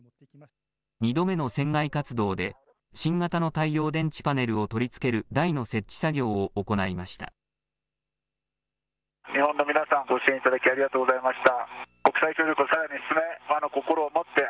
２度目の船外活動で新型の太陽電池パネルを取り付ける台の設置作業を行いました。